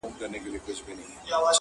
بخیل تندي ته مي زارۍ په اوښکو ولیکلې!!